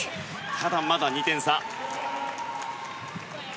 ただ、まだ２点差。